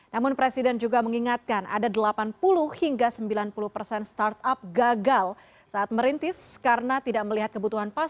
namun presiden juga mengingatkan ada delapan puluh hingga sembilan puluh persen startup gagal saat merintis karena tidak melihat kebutuhan pasar